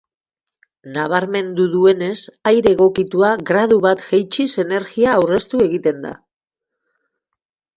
Nabarmendu duenez, aire egokitua gradu bat jaitsiz energia aurreztu egiten da.